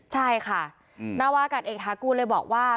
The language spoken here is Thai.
ใช่ค่ะนวเอ็กท์ฮากู้นเลยบอกว่า